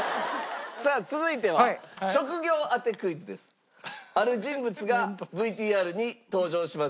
さあ続いてはある人物がＶＴＲに登場します。